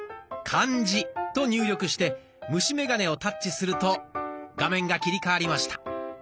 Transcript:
「漢字」と入力して虫眼鏡をタッチすると画面が切り替わりました。